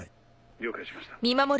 了解しました。